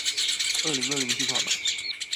二零二零進化版